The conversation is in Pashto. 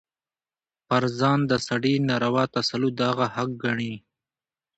پر ځان د سړي ناروا تسلط د هغه حق ګڼي.